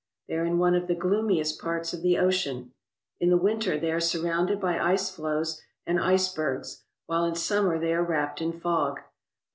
They are in one of the gloomiest parts of the ocean. In the winter they are surrounded by ice floes and ice bergs, while in summer they are wrapped in fog.